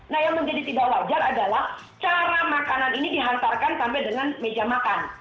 nah yang menjadi tidak wajar adalah cara makanan ini dihantarkan sampai dengan meja makan